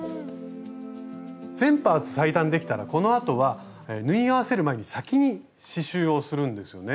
全パーツ裁断できたらこのあとは縫い合わせる前に先に刺しゅうをするんですよね。